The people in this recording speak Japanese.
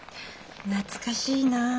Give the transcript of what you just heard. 懐かしいなあ。